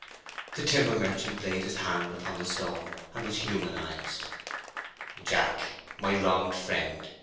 The timber merchant laid his hand upon the stone, and was humanized. "Jack, my wronged friend!"